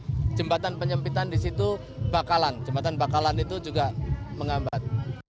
karena jembatan penyempitan di situ bakalan jembatan bakalan itu juga menghambat